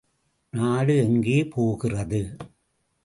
நாடு எங்கே போகிறது?